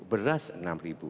beras enam ribu